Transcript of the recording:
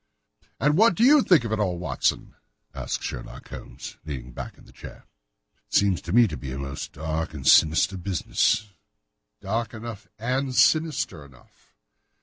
"And what do you think of it all, Watson?" asked Sherlock Holmes, leaning back in his chair. "It seems to me to be a most dark and sinister business." "Dark enough and sinister enough."